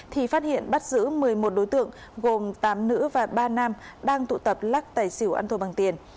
thì phát hiện bắt giữ một mươi một đối tượng gồm tám nữ và ba nam đang tụ tập lắc tài xỉu ăn thua bằng tiền